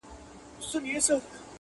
په بچو چي یې خوشاله زیږوه یې -